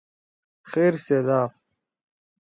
خیر سیت آپ